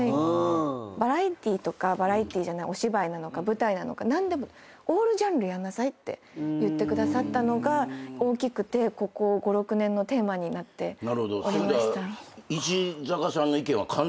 バラエティーとかバラエティーじゃないお芝居なのか舞台なのか何でもオールジャンルやんなさいって言ってくださったのが大きくてここ５６年のテーマになっておりました。